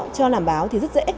cho làm báo thì rất dễ